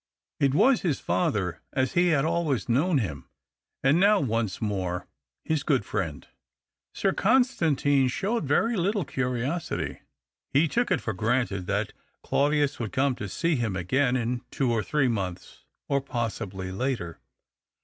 It was his father as he had always known him — and now once more his good friend. Sir Constantine showed very little curiosity. He took it for granted that Claudius would come to see him again — in two or three months, or possibly later.